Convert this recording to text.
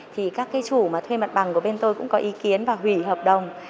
thì các cái chủ mà thuê mặt bằng của bên tôi cũng có ý kiến và hủy hợp đồng